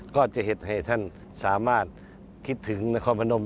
ก็จะเห็นให้ท่านสามารถคิดถึงนครพนม